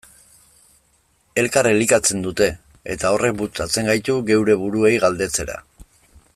Elkar elikatzen dute, eta horrek bultzatzen gaitu geure buruei galdetzera.